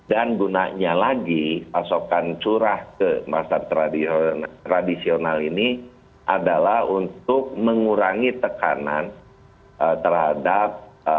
dan gunanya lagi pasokan curah ke pasar tradisional ini adalah untuk mengurangi tekanan terhadap